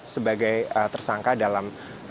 sebagai tersangka dalam kawasan